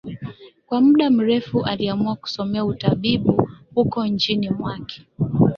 Kwa muda mrefu aliamua kusomea utabibu uko nchini mwake